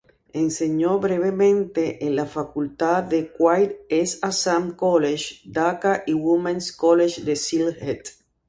Enseñó brevemente en la Facultad de Quaid-e-Azam College, Dhaka y Women's College, de Sylhet.